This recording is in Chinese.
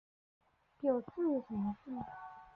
表字稷臣。